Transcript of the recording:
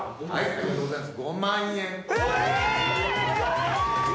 ありがとうございます。